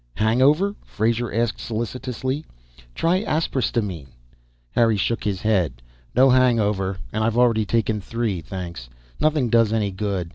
"Hangover?" Frazer asked, solicitously. "Try aspirystamine." Harry shook his head. "No hangover. And I've already taken three, thanks. Nothing does any good.